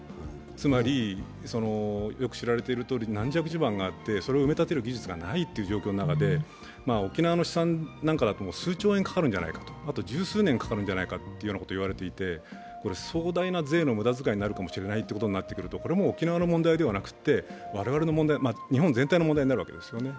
つまりよく知られているとおり軟弱地盤があってそれを埋め立てる技術がないという状況の中で、沖縄の試算なんかでは数兆円かかるんじゃないか、あと十数年かかるんじゃないかと言われていて壮大な税の無駄遣いになるかもしれないということを考えると、これは沖縄の問題ではなくて日本全体の問題になるわけですね。